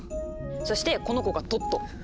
そしてこの子がトット！